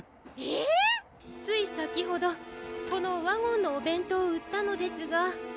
ついさきほどこのワゴンのおべんとうをうったのですが。